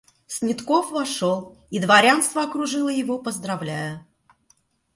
Снетков вошел, и дворянство окружило его поздравляя.